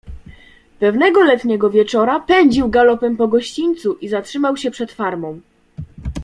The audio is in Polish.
"Pewnego letniego wieczora pędził galopem po gościńcu i zatrzymał się przed farmą."